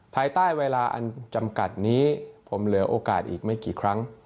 ภายใต้เวลาอันจำกัดนี้ผมเหลือโอกาสอีกไม่กี่ครั้ง